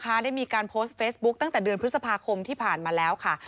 ได้มีการโพสต์เฟซบุ๊คตั้งแต่เดือนพฤษภาคมที่ผ่านมาแล้วค่ะ